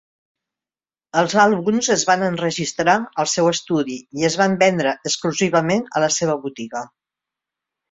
Els àlbums es van enregistrar al seu estudi i es van vendre exclusivament a la seva botiga.